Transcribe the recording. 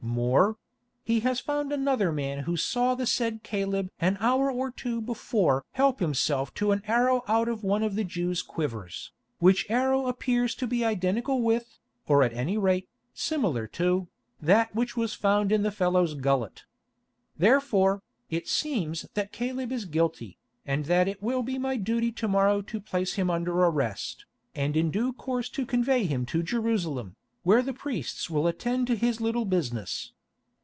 More—he has found another man who saw the said Caleb an hour or two before help himself to an arrow out of one of the Jew's quivers, which arrow appears to be identical with, or at any rate, similar to, that which was found in the fellow's gullet. Therefore, it seems that Caleb is guilty, and that it will be my duty to morrow to place him under arrest, and in due course to convey him to Jerusalem, where the priests will attend to his little business.